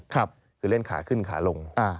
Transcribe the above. คือเล่นขาขึ้นขาลง